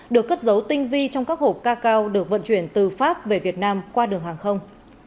được cất dấu tinh vi trong các hộp ca cao được vận chuyển từ pháp về việt nam qua đường hàng không